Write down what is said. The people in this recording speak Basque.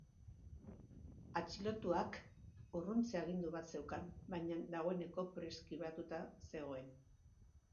Atxilotuak urruntze agindu bat zeukan, baina dagoeneko preskribatuta zegoen.